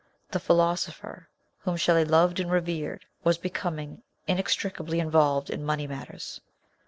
The Philosopher, whom Shelley loved and revered, was becoming inextricably involved in money matters.